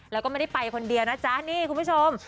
แล้วก็ไม่ได้ไปคนเดียวนะจ๊ะนี่คุณผู้ชม